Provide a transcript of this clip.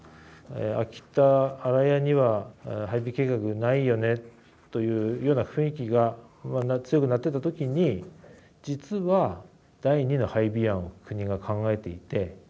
秋田・新屋には配備計画ないよねというような雰囲気が不安が強くなってた時に実は第二の配備案を国が考えていて「幻の配備計画」が進んでいた。